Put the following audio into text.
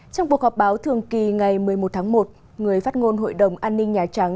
trong cuộc họp báo thường kỳ ngày một mươi một tháng một người phát ngôn hội đồng an ninh nhà trắng